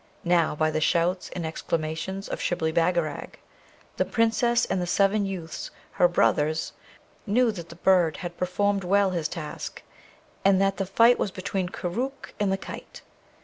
Now, by the shouts and exclamations of Shibli Bagarag, the Princess and the seven youths, her brothers, knew that the bird had performed well his task, and that the fight was between Koorookh and the kite.